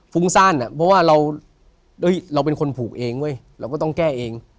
ฟุ้งซ่านเพราะว่าเราเป็นคนผูกเองเว้ยเราก็ต้องแก้เอง